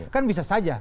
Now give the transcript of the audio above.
kan bisa saja